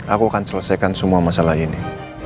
aku akan selesaikan semua masalah ini